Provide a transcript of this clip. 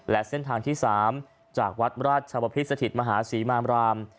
และเส้นทางที่๓จากวัดราชวพิษสถิตมหาศรีมามราม